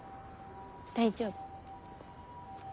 大丈夫。